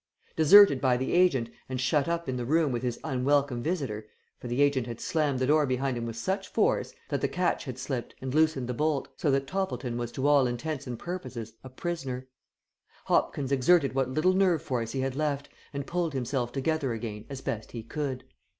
Deserted by the agent and shut up in the room with his unwelcome visitor for the agent had slammed the door behind him with such force that the catch had slipped and loosened the bolt, so that Toppleton was to all intents and purposes a prisoner Hopkins exerted what little nerve force he had left, and pulled himself together again as best he could.